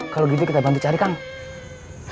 kalau gitu kita bantu cari kang